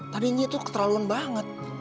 tadi nyi tuh keterlaluan banget